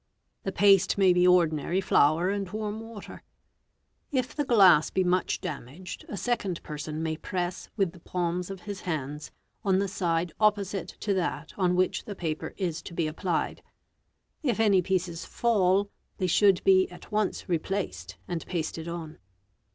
The paste may be ordinary flour and warm water. If the glass be much damaged, a second person may press with the palms of his hands on the side opposite to that on which the paper is to be applied. If any pieces fall, they should be at once replaced and pasted on.